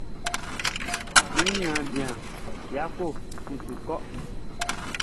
Mi niaan bian Yako n su kɔ.